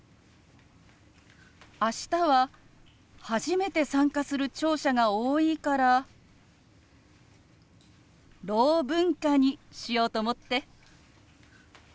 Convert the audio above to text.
明日は初めて参加する聴者が多いから「ろう文化」にしようと思って。